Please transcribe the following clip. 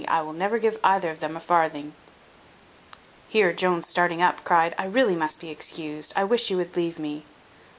I will never give either of them a farthing." Here Jones starting up cried, "I really must be excused: I wish you would leave me."